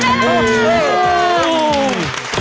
หมดเลยแล้ว